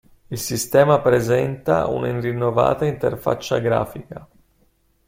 Il sistema presenta una rinnovata interfaccia grafica.